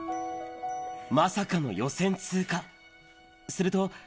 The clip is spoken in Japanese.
まさかの予選通過。